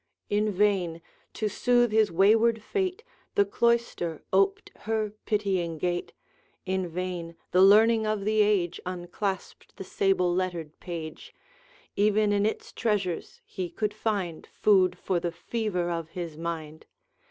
In vain, to soothe his wayward fate, The cloister oped her pitying gate; In vain the learning of the age Unclasped the sable lettered page; Even in its treasures he could find Food for the fever of his mind.